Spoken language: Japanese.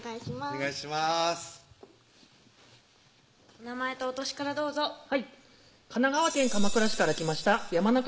お名前とお歳からどうぞはい神奈川県鎌倉市から来ました山中椋